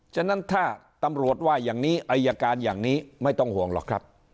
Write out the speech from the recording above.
ฉะนั้นถ้าตำรวจว่าอย่างนี้อายการอย่างนี้ไม่ต้องห่วงหรอกครับ